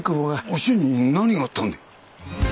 お俊に何があったんだ！？